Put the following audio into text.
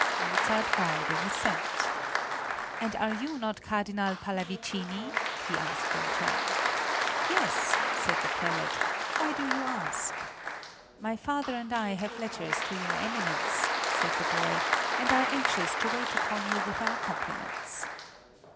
Mozart bowed in assent. "And are you not Cardinal Pallavicini?" he asked in turn. "Yes," said the prelate. "Why do you ask?" "My father and I have letters to your Eminence," said the boy, "and are anxious to wait upon you with our compliments."